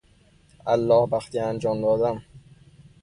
اللهبختی انجام دادن